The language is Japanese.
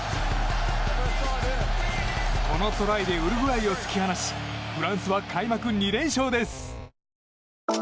このトライでウルグアイを突き放しフランスは開幕２連勝です。